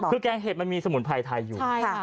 คือแกงเห็ดมันมีสมุนไพรไทยอยู่